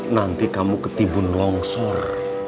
nanti kamu ketimbun longsor